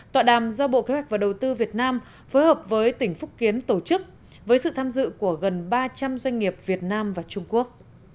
tọa đàm do bộ kế hoạch và đầu tư việt nam phối hợp với tỉnh phúc kiến tổ chức với sự tham dự của gần ba trăm linh doanh nghiệp việt nam và trung quốc